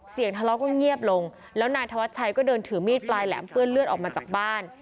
เสียงทะเลาะก็เงียบลงแล้วนายธวัชชัยก็เดินถือมีดปลายแหลมเปื้อนเลือดออกมาจากบ้าน